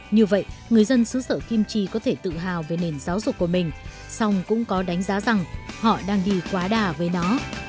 như vậy người dân xứ sở kim chi có thể tự hào về nền giáo dục của mình song cũng có đánh giá rằng họ đang đi quá đà với nó